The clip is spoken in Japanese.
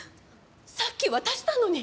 さっき渡したのに。